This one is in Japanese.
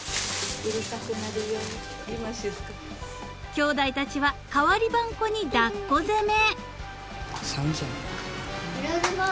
［きょうだいたちは代わり番こに抱っこ攻め］